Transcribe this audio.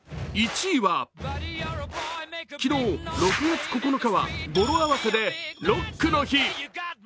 昨日６月９日は語呂合わせでロックの日。